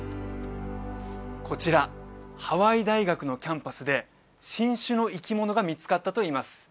こちらハワイ大学のキャンパスで新種の生き物が見つかったといいます